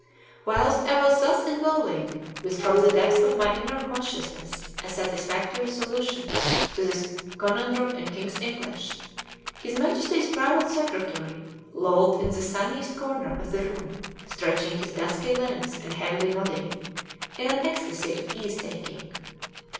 Whilst I was thus evolving from the depths of my inner consciousness a satisfactory solution to this conundrum in King's English, his Majesty's private secretary lolled in the sunniest corner of the room, stretching his dusky limbs and heavily nodding, in an ecstasy of ease taking.